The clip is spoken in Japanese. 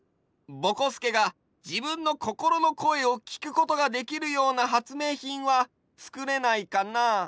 ぼこすけがじぶんのこころのこえをきくことができるようなはつめいひんはつくれないかな？